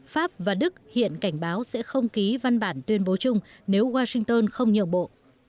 pháp và đức hiện cảnh báo sẽ không ký văn bản tuyên bố chung nếu washington không nhường bộ